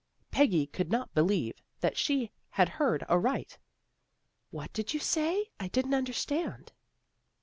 " Peggy could not believe that she had heard aright. "What did you say? I didn't understand."